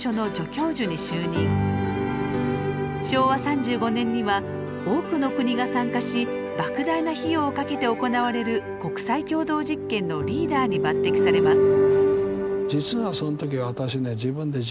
昭和３５年には多くの国が参加しばく大な費用をかけて行われる国際共同実験のリーダーに抜てきされます。